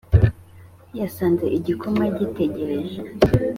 yasanze igikoma gitegereje